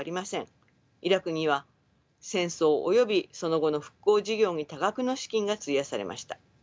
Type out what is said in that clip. イラクには戦争およびその後の復興事業に多額の資金が費やされました。